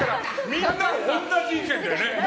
みんな同じ意見だよね？